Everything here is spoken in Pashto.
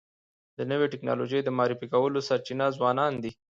د نوي ټکنالوژۍ د معرفي کولو سرچینه ځوانان دي.